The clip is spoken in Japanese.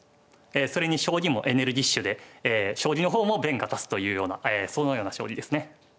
それに将棋もエネルギッシュで将棋の方も弁が立つというようなそのような将棋ですね。